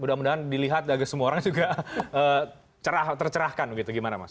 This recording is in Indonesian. mudah mudahan dilihat agak semua orang juga tercerahkan begitu gimana mas